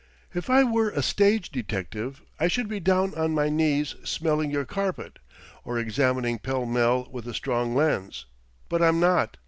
"If I were a stage detective, I should be down on my knees smelling your carpet, or examining Pall Mall with a strong lens; but I'm not.